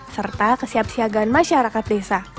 serta kesiapsiagaan masyarakat desa